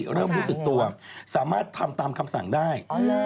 รู้สึกตัวสามารถทำตามคำสั่งได้